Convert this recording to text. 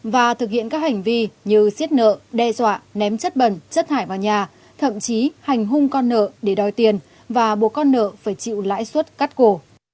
và thực hiện các hành vi như xiết nợ đe dọa ném chất bẩn chất thải vào nhà thậm chí hành hung con nợ để đòi tiền và buộc con nợ phải chịu lãi suất cắt cổ